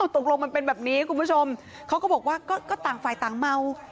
ตกลงมันเป็นแบบนี้คุณผู้ชมเขาก็บอกว่าก็ต่างฝ่ายต่างเมา